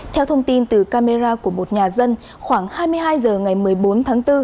theo thông tin từ camera của một nhà dân khoảng hai mươi hai h ngày một mươi bốn tháng bốn